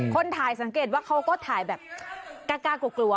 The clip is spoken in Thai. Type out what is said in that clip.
คนถ่ายสังเกตว่าเขาก็ถ่ายแบบกล้ากลัว